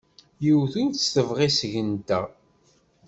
Yiwet ur t-tebɣi seg-nteɣ.